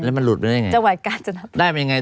แล้วมันหลุดไปได้ยังไงได้มันยังไง